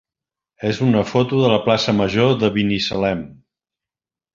és una foto de la plaça major de Binissalem.